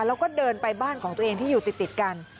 แล้วก็เดินไปบ้านของตัวเองที่อยู่ติดกัน